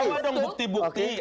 bawa dong bukti bukti